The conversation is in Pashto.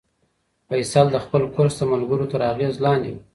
فیصل د خپل کورس د ملګرو تر اغېز لاندې و.